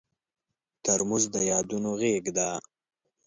ترموز د یادونو غېږ ده.